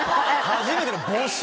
初めての募集！